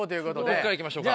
僕からいきましょうか。